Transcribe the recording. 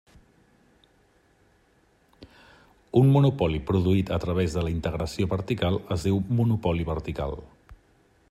Un monopoli produït a través de la integració vertical es diu monopoli vertical.